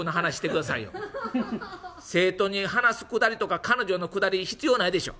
生徒に話すくだりとか彼女のくだり必要ないでしょ」。